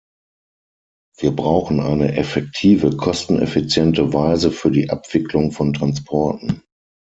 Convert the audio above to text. Wir brauchen eine effektive, kosteneffiziente Weise für die Abwicklung von Transporten.